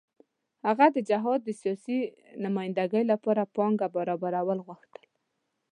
هغه د جهاد د سیاسي نمايندګۍ لپاره پانګه برابرول غوښتل.